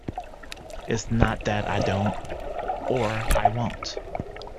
It's not that I don't or I won't.